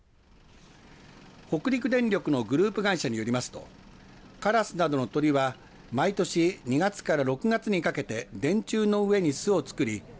北陸電力のグループ会社によりますとカラスなどの鳥は毎年２月から６月にかけて電柱の上に巣を作り